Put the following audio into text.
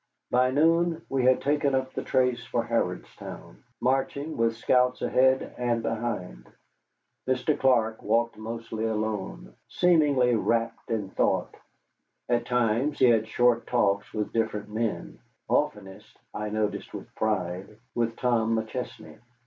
By noon we had taken up the trace for Harrodstown, marching with scouts ahead and behind. Mr. Clark walked mostly alone, seemingly wrapped in thought. At times he had short talks with different men, oftenest I noted with pride with Tom McChesney.